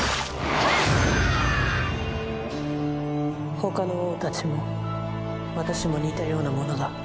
他の王たちも私も似たようなものだ。